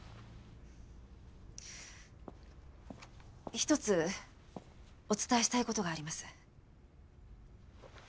一つお伝えしたい事があります。